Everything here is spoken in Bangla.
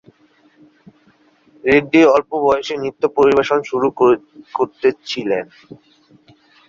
রেড্ডি অল্প বয়সেই নৃত্য পরিবেশন শুরু করেছিলেন।